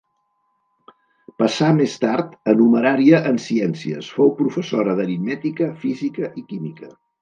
Passà més tard a numerària en Ciències, fou professora d’aritmètica, física i química.